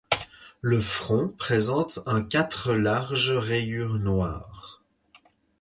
Le front présente un quatre larges rayures noires.